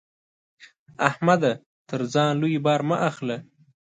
احمده! تر ځان لوی بار مه اخله.